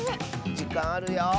じかんあるよ。